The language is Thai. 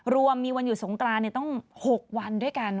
รวมมีวันหยุดสงกรานต้อง๖วันด้วยกัน